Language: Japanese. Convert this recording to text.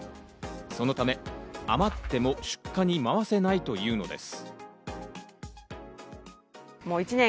そのため余っても出荷に回せないというのです。